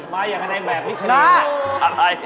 มาอย่างในแบบพิชานี